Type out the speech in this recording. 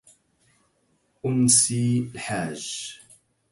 أنسي الحاج